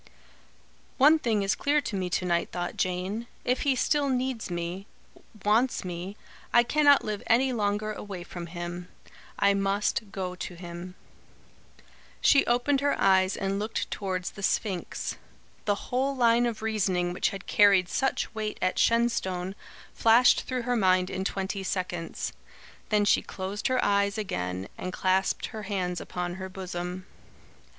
"One thing is clear to me to night," thought Jane. "If he still needs me wants me I cannot live any longer away from him. I must go to him." She opened her eyes and looked towards the Sphinx. The whole line of reasoning which had carried such weight at Shenstone flashed through her mind in twenty seconds. Then she closed her eyes again and clasped her hands upon her bosom.